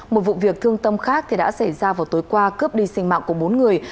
một vụ việc thương tâm khác thì đã xảy ra vào tối qua cướp đi sinh mạng của bốn người